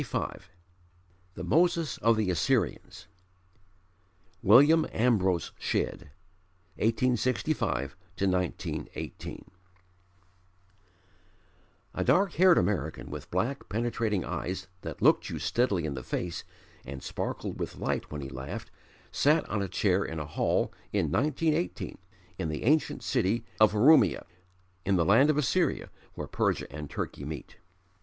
] CHAPTER XXV THE MOSES OF THE ASSYRIANS William Ambrose Shedd (1865 1918) I A dark haired American with black, penetrating eyes that looked you steadily in the face, and sparkled with light when he laughed, sat on a chair in a hall in 1918 in the ancient city of Urumia in the land of Assyria where Persia and Turkey meet.